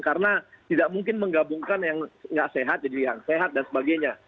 karena tidak mungkin menggabungkan yang nggak sehat jadi yang sehat dan sebagainya